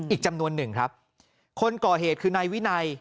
อีกจำนวนหนึ่งครับคนก่อเหตุคือนายวินัย